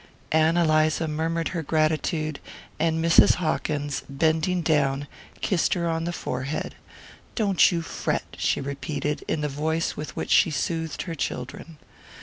Ann Eliza murmured her gratitude, and Mrs. Hawkins, bending down, kissed her on the forehead. "Don't you fret," she repeated, in the voice with which she soothed her children.